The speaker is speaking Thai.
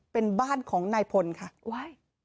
เป็นบ้านของนายพลค่ะว้าย